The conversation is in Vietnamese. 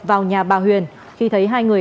vào nhà bà huyền khi thấy hai người